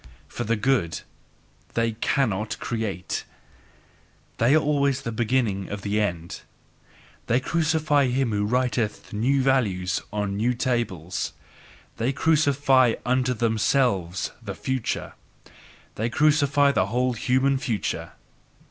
For the good they CANNOT create; they are always the beginning of the end: They crucify him who writeth new values on new tables, they sacrifice UNTO THEMSELVES the future they crucify the whole human future!